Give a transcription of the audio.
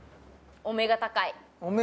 お目が高い？